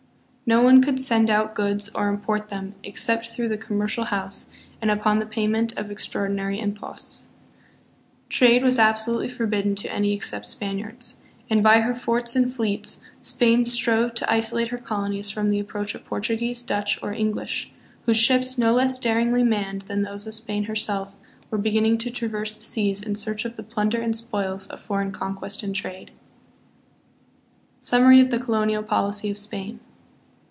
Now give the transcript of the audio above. No one could send out goods or import them except through the Commercial House and upon the payment of extraordinary imposts. Trade was absolutely forbidden to any except Spaniards. And by her forts and fleets Spain strove to isolate her col onies from the approach of Portuguese, Dutch, or English, whose ships, no less daringly manned than those of Spain herself, were beginning to traverse the seas in search of the plunder and spoils of foreign conquest and trade. Summary of the Colonial Policy of Spain.